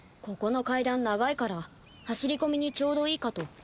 ここの階段長いから走り込みにちょうどいいかと。